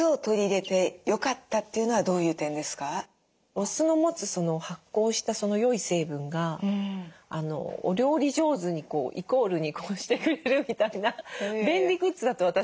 お酢の持つ発酵した良い成分がお料理上手にこうイコールにこうしてくれるみたいな便利グッズだと私は思っていて。